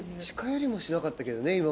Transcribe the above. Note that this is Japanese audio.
近寄りもしなかったけどね